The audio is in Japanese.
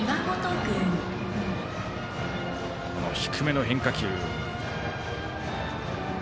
低めの変化球。